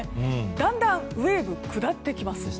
だんだんウェーブ下ってきます。